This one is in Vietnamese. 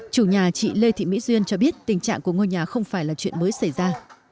chủ nhà chị lê thị mỹ duyên cho biết tình trạng của ngôi nhà không phải là chuyện mới xảy ra